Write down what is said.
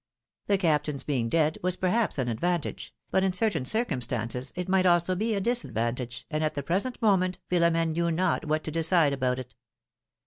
The Captain's being dead was perhaps an advantage, but in certain circumstances it might also be a disadvantage, and at the present moment Philom^ne knew not what to decide about it.